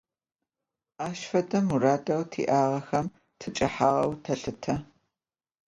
Ащ фэдэ мурадэу тиӏагъэм тыкӏэхьагъэу тэлъытэ.